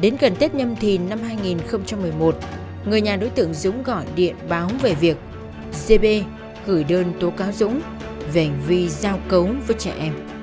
đến gần tết nhâm thìn năm hai nghìn một mươi một người nhà đối tượng dũng gọi điện báo về việc cb gửi đơn tố cáo dũng về hành vi giao cấu với trẻ em